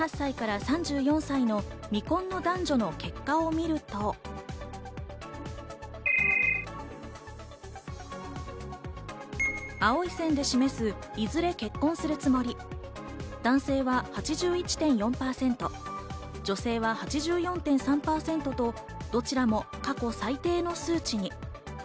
１８歳から３４歳の未婚の男女の結果を見ると、青い線で示す、いずれ結婚するつもり、男性は８１．４％、女性は８４．３％と、どちらも過去最低の数値に。